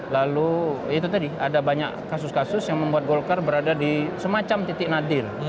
lalu itu tadi ada banyak kasus kasus yang membuat golkar berada di semacam titik nadir